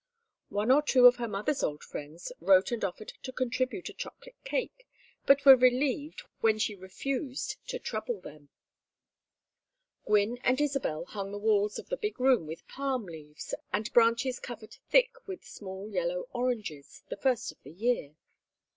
One or two of her mother's old friends wrote and offered to contribute a chocolate cake, but were relieved when she refused to "trouble them." Gwynne and Isabel hung the walls of the big room with palm leaves, and branches covered thick with small yellow oranges, the first of the year.